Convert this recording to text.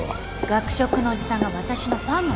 学食のおじさんが私のファンなの